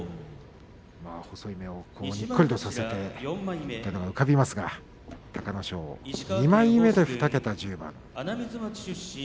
細い目をにっこりとさせてその姿が浮かびますが隆の勝、西の２枚目で２桁１０番。